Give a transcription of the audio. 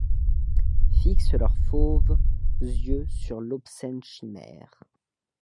Fixent leurs fauves yeux sur l’obscène chimère !